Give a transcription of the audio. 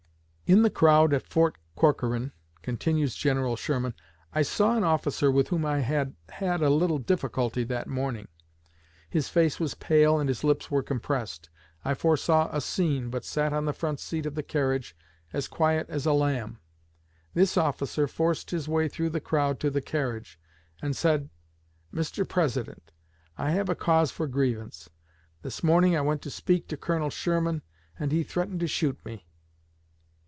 "In the crowd at Fort Corcoran," continues General Sherman, "I saw an officer with whom I had had a little difficulty that morning. His face was pale and his lips were compressed. I foresaw a scene, but sat on the front seat of the carriage as quiet as a lamb. This officer forced his way through the crowd to the carriage, and said: 'Mr. President, I have a cause of grievance. This morning I went to speak to Colonel Sherman, and he threatened to shoot me.'